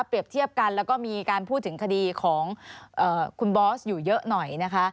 เทียบกันแล้วก็มีการพูดถึงคดีของคุณบอสอยู่เยอะหน่อยนะคะ